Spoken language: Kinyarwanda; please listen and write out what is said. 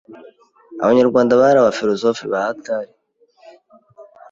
abanyarwanda bari abafirozofe bahatari